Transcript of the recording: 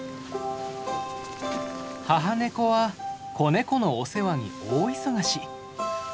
母ネコは子ネコのお世話に大忙し。